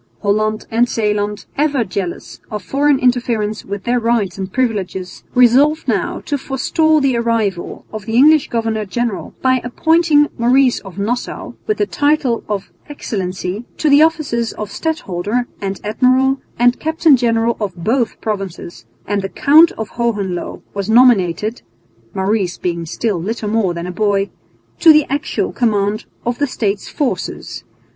Holland and Zeeland, ever jealous of foreign interference with their rights and privileges, resolved now to forestall the arrival of the English governor general by appointing Maurice of Nassau, with the title of "Excellency," to the offices of Stadholder and Admiral and Captain General of both provinces; and the Count of Hohenlo was nominated (Maurice being still little more than a boy) to the actual command of the State's forces.